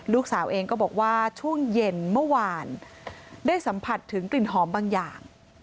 ลูกสาวเองก็บอกว่าช่วงเย็นเมื่อวานได้สัมผัสถึงกลิ่นหอมบางอย่าง